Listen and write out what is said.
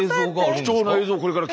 貴重な映像をこれから。